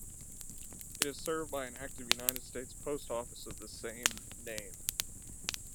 It is served by an active United States post office of the same name.